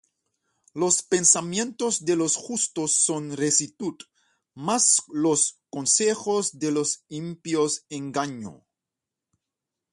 Los pensamientos de los justos son rectitud; Mas los consejos de los impíos, engaño.